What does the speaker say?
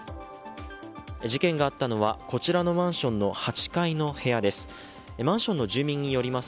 事件があったのは、こちらのマンションの８階の部屋です。